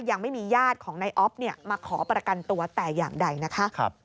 ยังไม่มีญาติของนายอ๊อฟมาขอประกันตัวแต่อย่างใดนะคะ